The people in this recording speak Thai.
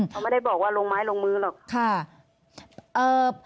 เขาไม่ได้บอกว่าลงไม้ลงมือหรอก